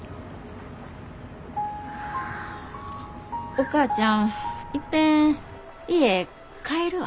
お母ちゃんいっぺん家帰るわ。